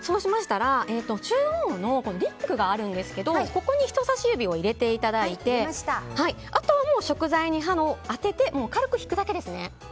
中央のリングがあるんですがここに人さし指を入れていただいてあとは食材に刃を当てて軽く引くだけですね。